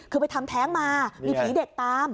คือไปทำแท้งมามีผีเด็กตาม